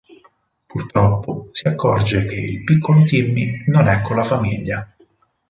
Purtroppo si accorge che il piccolo Timmy non è con la famiglia.